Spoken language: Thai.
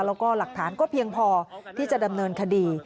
แล้วก็หลักฐานก็เพียงพอที่จะดำเนินคดี